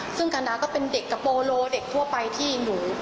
ซึ่งกันดาก็เป็นเด็กกับโปโลเด็กทั่วไปที่หนู